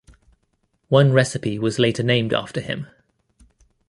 One recipe was later named after him.